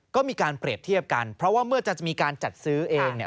ก็มีการเปรียบเทียบกันเพราะว่าเมื่อจะมีการจัดซื้อเอง